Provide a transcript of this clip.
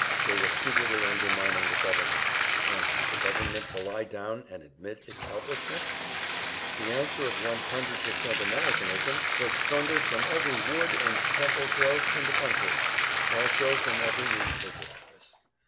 They were secretly undermining the government, and was the government to lie down and admit its helplessness? The answer of 100% Americanism was thundered from every wood and templed hill in the country; also from every newspaper office.